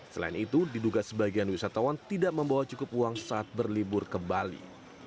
selain itu diduga sebagian wisatawan tidak membawa cukup uang saat berlibur ke bali